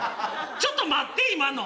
ちょっと待って今の。